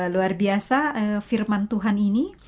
luar biasa firman tuhan ini